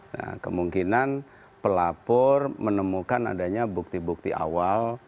nah kemungkinan pelapor menemukan adanya bukti bukti awal